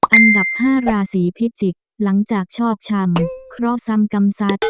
อันดับ๕ราศีพิจิกหลังจากชอบชำครอบซ้ำกำซัด